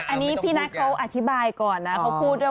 อันนี้พี่ณเค้าอธิบายก่อนนะ